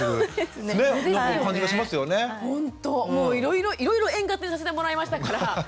ほんともういろいろいろいろ円滑にさせてもらいましたから。